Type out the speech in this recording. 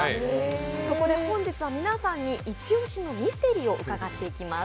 そこで本日は皆さんに、一押しのミステリーを伺っていきます。